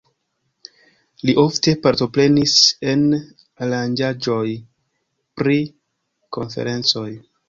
Li ofte partoprenis en aranĝaĵoj pri konferencoj.